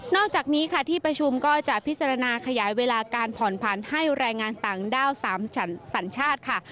อกจากนี้ค่ะที่ประชุมก็จะพิจารณาขยายเวลาการผ่อนผันให้แรงงานต่างด้าว๓สัญชาติค่ะ